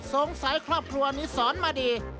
สงสัยครอบครัวนี้สอนมาดี